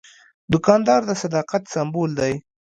دوکاندار د صداقت سمبول دی.